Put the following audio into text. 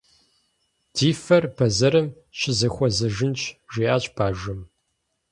«Ди фэр бэзэрым щызэхуэзэжынщ», - жиӀащ бажэм.